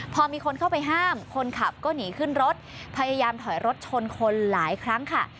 พอมีคนเข้าไปห้ามคนขับก็หนีขึ้นรถพยายามถอยรถชนคนหลายครั้งค่ะ